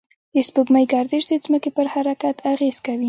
د سپوږمۍ گردش د ځمکې پر حرکت اغېز کوي.